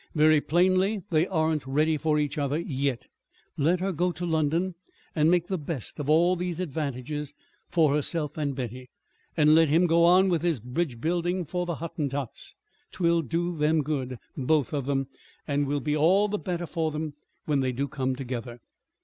Very plainly they aren't ready for each other yet. Let her go to London and make the best of all these advantages for herself and Betty; and let him go on with his bridge building for the Hottentots. 'Twill do them good both of them, and will be all the better for them when they do come together."